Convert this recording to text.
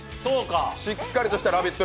しっかりとした「ラヴィット！」